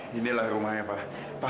ngasih adobe ini kawan